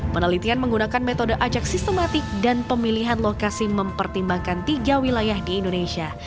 penelitian menggunakan metode ajak sistematik dan pemilihan lokasi mempertimbangkan tiga wilayah di indonesia